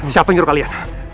siapa yang nyuruh kalian